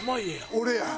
俺や！